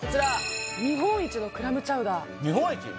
日本一のクラムチャウダー日本一？